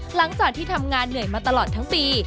หลังจากที่ทำงานเหนื่อยมาตลอดทั้งปี